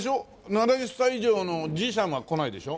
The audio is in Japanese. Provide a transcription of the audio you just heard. ７０歳以上のじいさんは来ないでしょ？